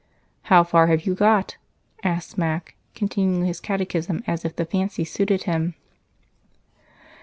"How far have you got?" asked Mac, continuing his catechism as if the fancy suited him.